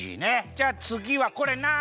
じゃあつぎはこれなんだ？